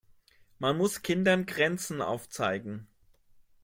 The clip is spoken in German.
Man muss Kindern Grenzen aufzeigen.